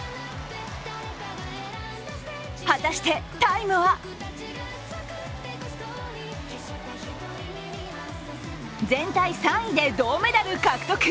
果たしてタイムは全体３位で銅メダル獲得。